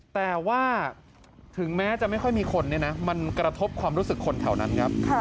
แต่ว่าถึงแม้จะไม่ค่อยมีคนเนี่ยนะมันกระทบความรู้สึกคนแถวนั้นครับ